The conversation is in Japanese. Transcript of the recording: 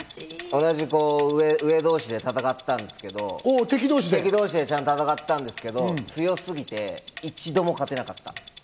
同じ上同士で戦ったんですけど、敵同士で戦ったんですけど、強すぎて一度も勝てなかった。